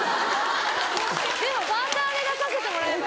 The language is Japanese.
でもバーターで出させてもらえばいい。